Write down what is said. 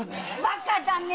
バカだね！